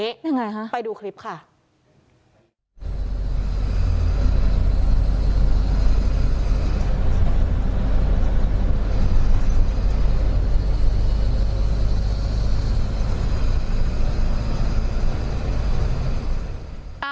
ยังไงฮะไปดูคลิปค่ะ